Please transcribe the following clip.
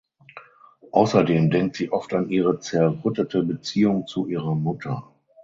Außerdem denkt sie oft an ihre zerrüttete Beziehung zu ihrer Mutter.